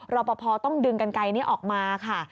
รับประพอต้องดึงกันกายนี้ออกมาค่ะ